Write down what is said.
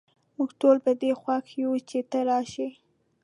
موږ ټول په دي خوښ یو چې ته راشي